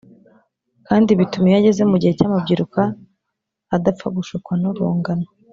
kandi bituma iyo ageze mu gihe cy’amabyiruka adapfa gushukwa n’urungano